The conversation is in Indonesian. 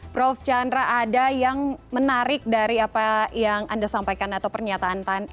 prof chandra ada yang menarik dari apa yang anda sampaikan atau pernyataan